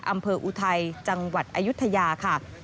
อุทัยจังหวัดอายุทยาค่ะ